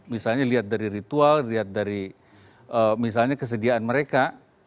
misalnya lihat dari ritual lihat dari misalnya kesediaan mereka